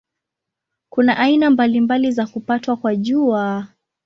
Kuna aina mbalimbali za kupatwa kwa Jua.